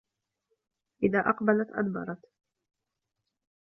إذَا أَقْبَلَتْ أَدْبَرَتْ